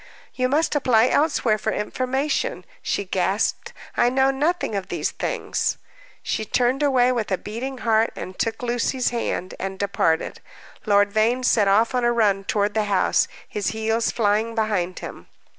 "You must apply elsewhere for information," she gasped. "I know nothing of these things." She turned away with a beating heart, and took Lucy's hand, and departed. Lord Vane set off on a run toward the house, his heels flying behind him.